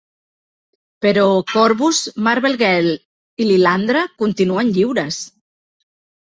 Però Korvus, Marvel Girl i Lilandra continuen lliures.